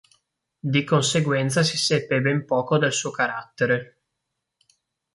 Di conseguenza si seppe ben poco del suo carattere.